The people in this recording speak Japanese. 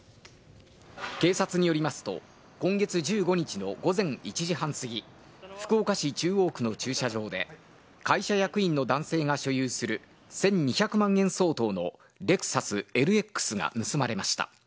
警察によりますと今月１５日の午前１時半すぎ福岡市中央区の駐車場で会社役員の男性が所有する１２００万円相当のレクサスＬＸが盗まれました。